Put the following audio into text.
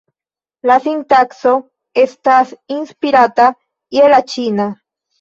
La sintakso estas inspirata je la ĉina.